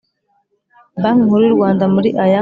Banki nkuru y u rwanda muri aya